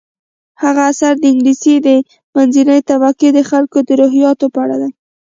هغه اثر د انګلیس د منځنۍ طبقې د خلکو د روحیاتو په اړه دی.